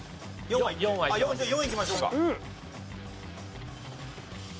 じゃあ４いきましょうか。